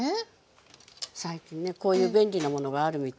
最近ねこういう便利なものがあるみたいです。